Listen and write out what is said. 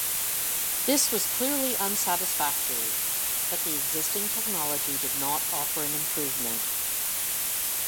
This was clearly unsatisfactory, but the existing technology did not offer an improvement.